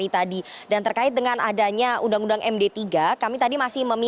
ini teman teman dah saj carry mengajar variabel ma dengan penampilan pen sweetness